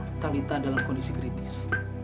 untuk talita dalam kondisi kritis